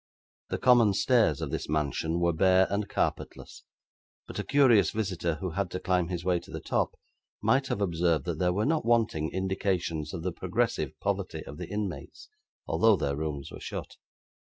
The common stairs of this mansion were bare and carpetless; but a curious visitor who had to climb his way to the top, might have observed that there were not wanting indications of the progressive poverty of the inmates, although their rooms were shut.